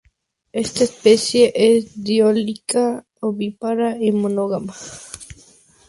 Esta especie es dioica, ovípara y monógama.